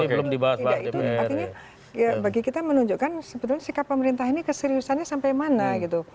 tidak itu artinya bagi kita menunjukkan sebetulnya sikap pemerintah ini keseriusannya sampai mana gitu